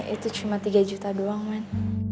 itu cuma tiga juta doang main